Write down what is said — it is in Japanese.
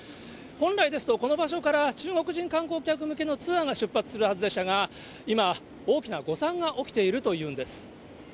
本来ですと、この場所から、中国人観光客向けのツアーが出発するはずでしたが、今、大きな誤算が起きているというんです。